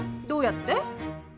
どうやって？